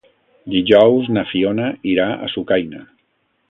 Dijous na Fiona irà a Sucaina.